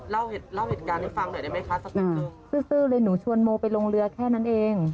เล่าเหตุการณ์ให้ฟังหน่อยได้ไหมคะสักนิดนึงซื้อเลยหนูชวนโมไปลงเรือแค่นั้นเอง